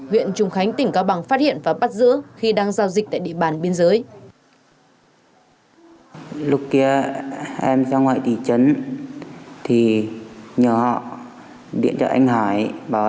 huyện trùng khánh tỉnh cao bằng phát hiện và bắt giữ khi đang giao dịch tại địa bàn biên giới